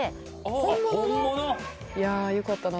本物の⁉いやよかったな。